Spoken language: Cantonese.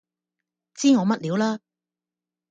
知我乜料啦